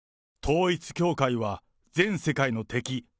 統一教会は、全世界の敵。